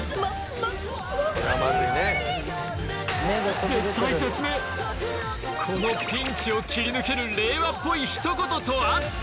何気ないこのピンチを切り抜ける令和っぽいひと言とは？